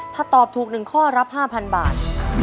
ถ้าตอบถูก๑ข้อรับ๕๐๐บาท